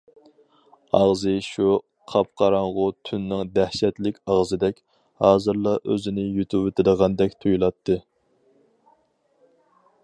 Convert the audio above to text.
ئاغزى شۇ قاپقاراڭغۇ تۈننىڭ دەھشەتلىك ئاغزىدەك، ھازىرلا ئۆزىنى يۇتۇۋېتىدىغاندەك تۇيۇلاتتى.